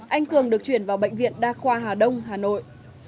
anh cường được chuyển vào bệnh viện đa khoa hà đông hà nội